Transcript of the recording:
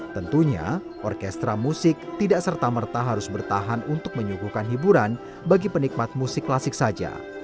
tentunya orkestra musik tidak serta merta harus bertahan untuk menyuguhkan hiburan bagi penikmat musik klasik saja